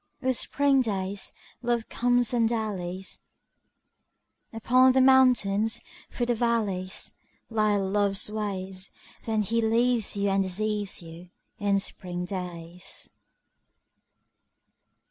With spring days Love comes and dallies: Upon the mountains, through the valleys Lie Love's ways. Then he leaves you and deceives you In spring days.